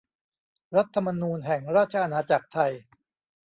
รัฐธรรมนูญแห่งราชอาณาจักรไทย